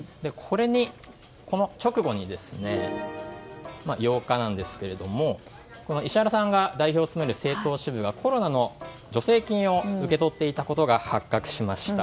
この直後に、８日なんですが石原さんが代表を務める政党支部がコロナの助成金を受け取っていたことが発覚しました。